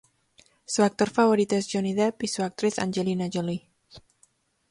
Su actor favorito es Johnny Deep y su actriz Angelina Jolie.